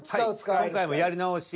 今回もやり直しが。